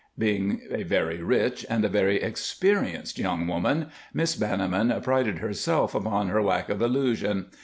Being a very rich and a very experienced young woman, Miss Banniman prided herself upon her lack of illusion.